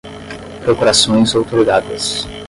procurações outorgadas